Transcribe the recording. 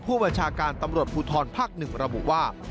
ผู้บัชการตำรวจพุทธรภักดิ์หนึ่งระบุว่า